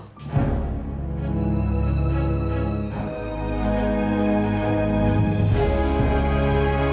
youkai dalam atau tolong kaguk